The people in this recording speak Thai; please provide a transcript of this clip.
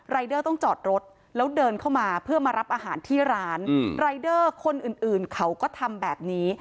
เดอร์ต้องจอดรถแล้วเดินเข้ามาเพื่อมารับอาหารที่ร้านรายเดอร์คนอื่นเขาก็ทำแบบนี้